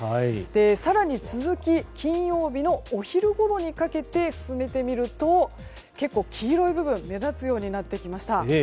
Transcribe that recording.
更に、続き金曜日のお昼ごろにかけて進めてみると結構、黄色い部分が目立つようになってきました。